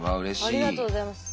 ありがとうございます。